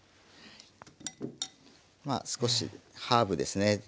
まあ少しハーブですね